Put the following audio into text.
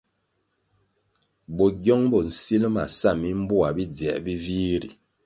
Bogyong bo nsil ma sa mimboa bidziē bi vih ri.